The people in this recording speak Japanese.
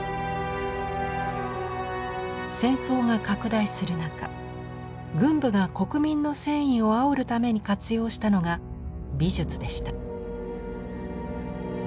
戦争が拡大する中軍部が国民の戦意をあおるために活用したのが「美術」でした。